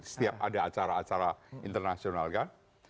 setiap ada acara acara internasional kan